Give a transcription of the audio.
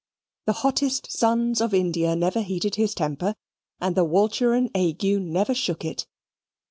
The hottest suns of India never heated his temper; and the Walcheren ague never shook it.